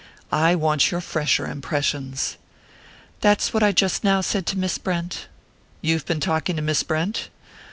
"I want your fresher impressions." "That's what I just now said to Miss Brent." "You've been talking to Miss Brent?"